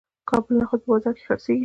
د کابل نخود په بازار کې خرڅیږي.